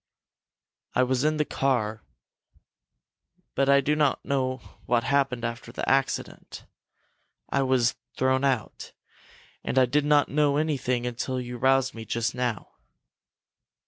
"I was in the car, but I do not know what happened after the accident. I was thrown out and I did not know anything until you roused me just now."